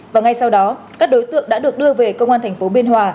và ngay sau đó các đối tượng đã được đưa về công an tp biên hòa